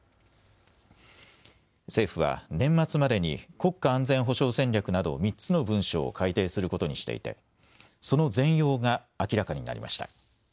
政府は年末までに国家安全保障戦略など３つの文書を改定することにしていてその全容が明らかになりました。